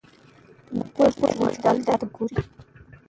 دغه زده کوونکی ډېر ځیرک دی.